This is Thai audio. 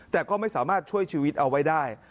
แต่ก็ไม่สามารถช่วยชีวิตเอาไว้ได้